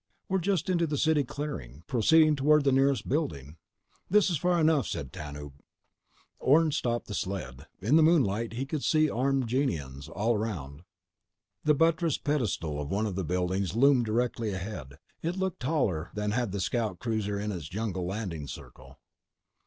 "We're just into the city clearing, proceeding toward the nearest building." "This is far enough," said Tanub. Orne stopped the sled. In the moonlight, he could see armed Gienahns all around. The buttressed pedestal of one of the buildings loomed directly ahead. It looked taller than had the scout cruiser in its jungle landing circle.